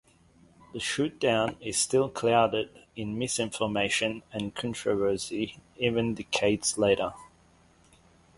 The shoot down is still clouded in misinformation and controversy even decades later.